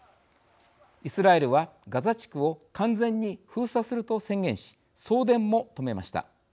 イスラエルはガザ地区を完全に封鎖すると宣言し送電も止めました。